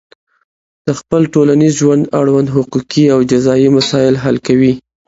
د خپل ټولنیز ژوند اړوند حقوقي او جزایي مسایل حل کوي.